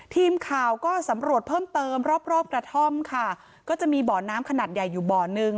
ทีมข่าวก็สำรวจเพิ่มเติมรอบรอบกระท่อมค่ะก็จะมีบ่อน้ำขนาดใหญ่อยู่บ่อนึง